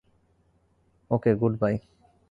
Okay good by.